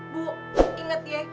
bu inget ya